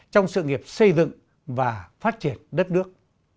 trong sự nghiệp xây dựng và phát triển đất nước